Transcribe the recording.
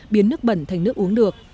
biến nước bẩn thành nước uống được